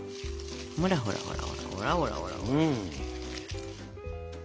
ほらほらほらほら。